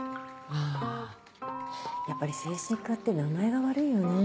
あやっぱり精神科って名前が悪いよね。